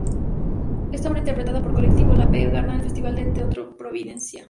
Esta obra interpretada por el colectivo La P., gana el Festival de Teatro Providencia.